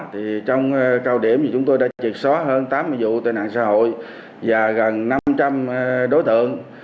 trong cao điểm thì chúng tôi đã triệt xóa hơn tám mươi vụ tai nạn xã hội và gần năm trăm linh đối tượng